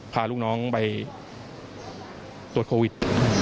พาลูกน้องไปตรวจโควิด